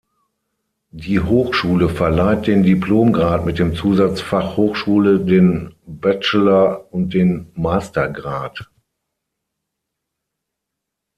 Die Hochschule verleiht den Diplomgrad mit dem Zusatz „Fachhochschule“, den Bachelor- und den Mastergrad.